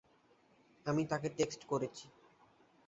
আমি তাকে টেক্সট করেছি।